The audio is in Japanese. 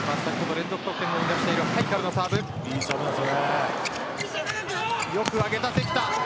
連続得点を生み出しているハイカルのサーブです。